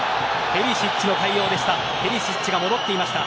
ペリシッチの対応でした。